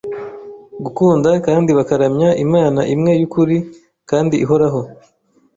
gukunda kandi bakaramya Imana imwe y’ukuri kandi ihoraho.